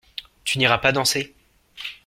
Tu n’iras pas danser ?